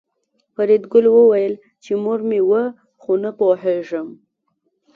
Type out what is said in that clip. فریدګل وویل چې مور مې وه خو نه پوهېږم